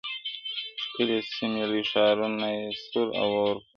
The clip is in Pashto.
ښکلي سیمي لوی ښارونه یې سور اور کړ.!